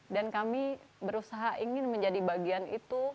dan kami berusaha ingin menjadi bagian itu